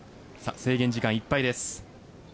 制限時間いっぱいです。